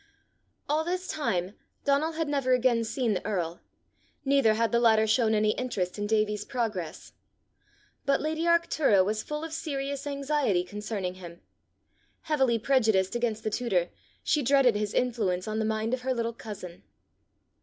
All this time, Donal had never again seen the earl, neither had the latter shown any interest in Davie's progress. But lady Arctura was full of serious anxiety concerning him. Heavily prejudiced against the tutor, she dreaded his influence on the mind of her little cousin.